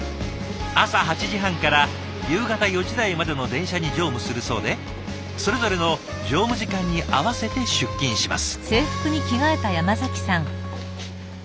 朝８時半から夕方４時台までの電車に乗務するそうでそれぞれの乗務時間に合わせて出勤します。